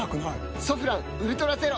「ソフランウルトラゼロ」